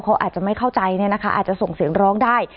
เขาอาจจะไม่เข้าใจเนี่ยนะคะอาจจะส่งเสียงร้องได้